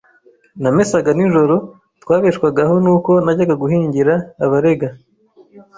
namesaga nijoro, twabeshwagaho n’uko najyaga guhingira abarega